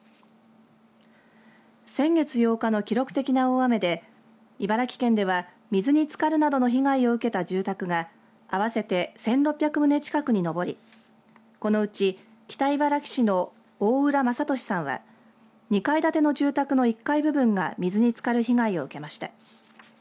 先月８日の記録的な大雨で茨城県では水につかるなどの被害を受けた住宅が合わせて１６００棟近くに上りこのうち北茨城市の大浦正利さんは２階建ての住宅の１階部分が水につかる被害を受けました。